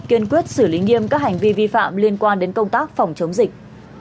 kiên quyết xử lý nghiêm các hành vi vi phạm liên quan đến công tác phòng chống dịch